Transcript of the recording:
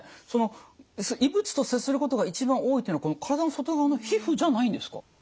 その異物と接することが一番多いというのは体の外側の皮膚じゃないんですか？